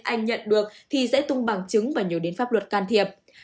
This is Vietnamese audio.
anh nhận được thì sẽ tung bằng chứng và nhớ đến pháp luật can thiệp